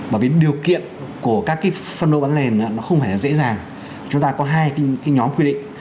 bởi vì điều kiện của các cái phân lô bán nền nó không phải là dễ dàng chúng ta có hai cái nhóm quy định